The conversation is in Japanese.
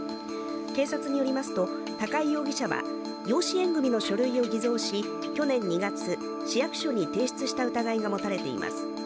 警察によりますと、高井容疑者は養子縁組の書類を偽造し去年２月市役所に提出した疑いが持たれています。